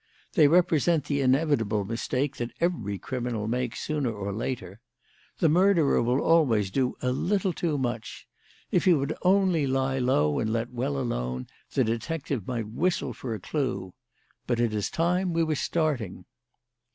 They represent the inevitable mistake that every criminal makes sooner or later. The murderer will always do a little too much. If he would only lie low and let well alone, the detective might whistle for a clue. But it is time we were starting."